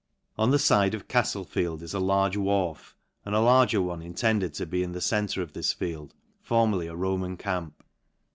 On the fide of CajV;e feld is a large wharf, and a larger one intended to be in the centre of this field, formerly a Roman camp.